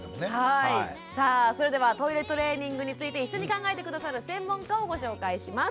さあそれではトイレトレーニングについて一緒に考えて下さる専門家をご紹介します。